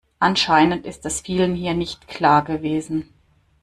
Anscheinend ist das vielen hier nicht klar gewesen.